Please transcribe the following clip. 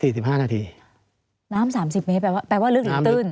น้ำ๓๐เมตรแปลว่าลึกหรือตื้น